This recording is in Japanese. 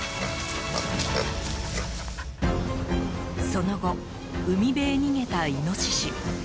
その後、海辺へ逃げたイノシシ。